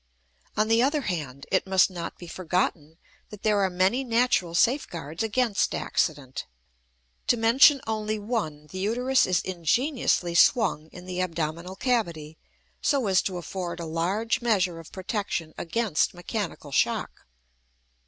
On the other hand, it must not be forgotten that there are many natural safeguards against accident: to mention only one, the uterus is ingeniously swung in the abdominal cavity so as to afford a large measure of protection against mechanical shock.